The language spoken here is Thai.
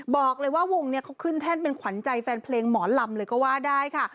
บอกเลยว่าวงเนี่ยเขาขึ้นแท่นเป็นขวัญใจแฟนเพลงหมอลำเลยก็ว่าได้ค่ะ